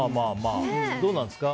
どうなんですか？